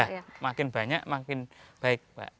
ya makin banyak makin baik pak